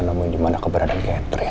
namun gimana keberadaan catherine